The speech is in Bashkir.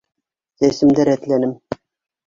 Сәсемде рәтләнем!